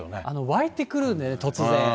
湧いてくるんでね、突然。